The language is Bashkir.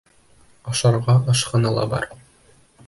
Ашарға ашханала бар.